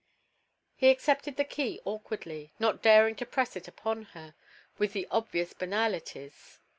He accepted the key awkwardly, not daring to press it upon her, with the obvious banalities.